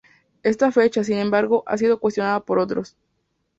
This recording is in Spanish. Esta fecha, sin embargo, ha sido cuestionada por otros.